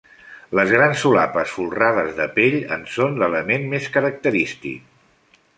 Les grans solapes folrades de pell en són l'element més característic.